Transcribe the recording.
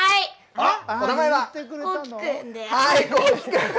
お名前は？